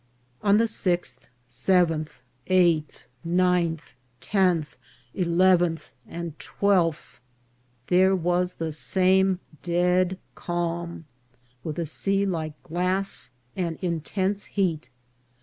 On the sixth, seventh, eighth, ninth, tenth, eleventh and twelfth there was the same dead calm, with a seu like glass and intense heat.